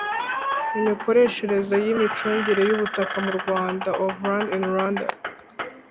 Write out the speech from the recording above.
imikoreshereze n imicungire y ubutaka mu Rwanda of land in Rwanda